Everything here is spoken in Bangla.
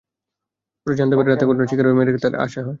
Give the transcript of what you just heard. পরে জানতে পেরে রাতে ঘটনার শিকার মেয়ের ভাইকে থানায় নিয়ে আসা হয়।